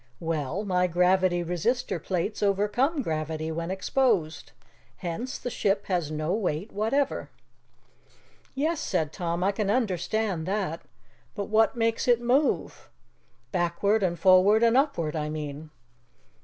Well, my gravity resistor plates overcome gravity when exposed. Hence the ship has no weight whatever." "Yes," said Tom, "I can understand that. But what makes it move? backward and forward and upward, I mean."